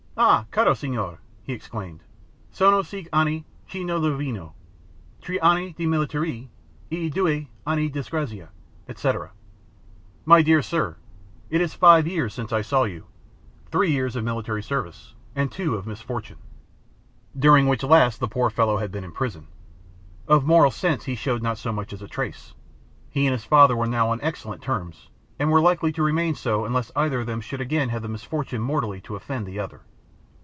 "Ah, caro signore," he exclaimed, "sono cinque anni che non lo vedo—tre anni di militare, e due anni di disgrazia," &c. ("My dear sir, it is five years since I saw you—three years of military service, and two of misfortune")—during which last the poor fellow had been in prison. Of moral sense he showed not so much as a trace. He and his father were now on excellent terms, and were likely to remain so unless either of them should again have the misfortune mortally to offend the other.